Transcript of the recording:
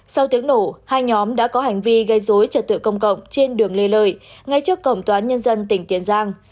sau tiếng nổ hai nhóm đã có hành vi gây dối trật tự công cộng trên đường lê lợi ngay trước cổng tòa án nhân dân tỉnh tiền giang